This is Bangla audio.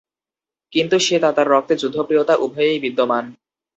কিন্তু সে তাতার রক্তে যুদ্ধপ্রিয়তা উভয়েই বিদ্যমান।